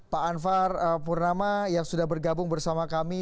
pak anwar purnama yang sudah bergabung bersama kami